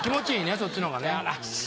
そっちのほうがね。